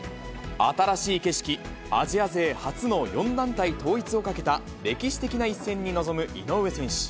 新しい景色、アジア勢初の４団体統一をかけた歴史的な一戦に臨む井上選手。